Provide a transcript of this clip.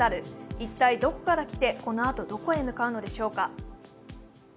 一体どこから来て、このあとどこへ向かうのでしょうか。